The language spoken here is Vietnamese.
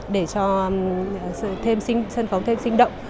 để cho sân khấu thêm sinh động